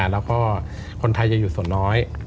แล้วก็คนไทยยังอยู่ส่วนน้อย